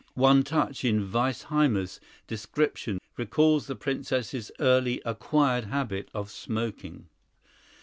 One touch in Weissheimer's description recalls the Princess's early acquired habit of smoking.